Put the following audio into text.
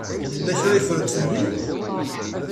Yella kra ay ffrent fell-i?